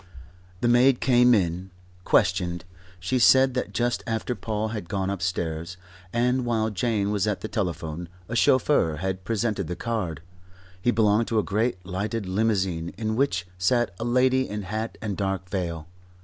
The maid came in. Questioned, she said that just after Paul had gone upstairs, and while Jane was at the telephone, a chauffeur had presented the card. He belonged to a great lighted limousine in which sat a lady in hat and dark veil.